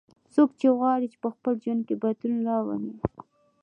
څوک غواړي چې په خپل ژوند کې بدلون راولي